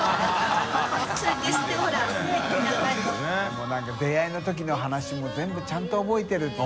發何か出会いのときの話も全部ちゃんと覚えてるって。